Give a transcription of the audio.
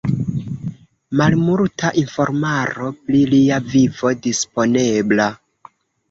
Malmulta informaro pri lia vivo disponebla.